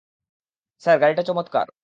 Sir, গাড়িটা চমৎকার।